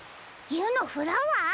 ゆのフラワー？